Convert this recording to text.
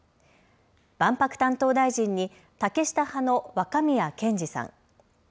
万博担当大臣に竹下派の若宮健嗣さん。